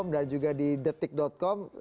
dan juga di detik com